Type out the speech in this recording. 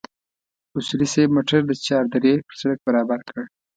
اصولي صیب موټر د چار درې پر سړک برابر کړ.